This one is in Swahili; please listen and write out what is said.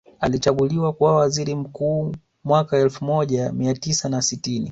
Alichaguliwa kuwa waziri mkuu mwaka elfu moja mia tisa na sitini